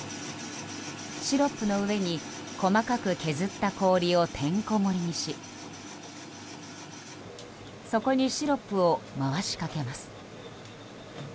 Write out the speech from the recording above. シロップの上に細かく削った氷をてんこ盛りにしそこにシロップを回しかけます。